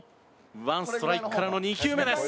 ワンストライクからの２球目です。